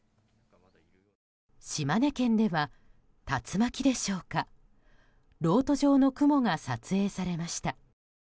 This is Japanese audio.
島根県では、竜巻でしょうかろうと状の雲が撮影されました。